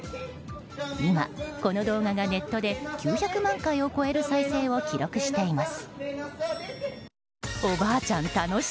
今、この動画がネットで９００万回を超える再生を記録しています。